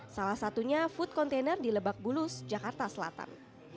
salah satunya food container di lebak bulus jakarta selatan